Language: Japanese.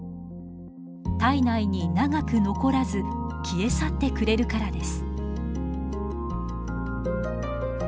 体内に長く残らず消え去ってくれるからです。